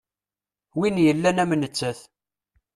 Win yellan am nettat.